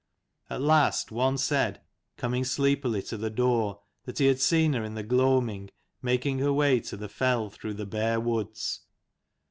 At last one said, coming sleepily to the door, that he had seen her in the gloaming making her way to the fell through the bare woods.